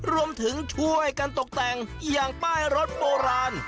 รวมถึงช่วยกันตกแต่งอย่างป้ายรถโบราณ